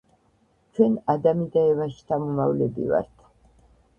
ჩვენ ადამი და ევას შთამომავლები ვართ